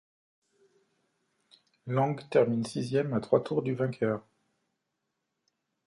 Lang termine sixième à trois tours du vainqueur.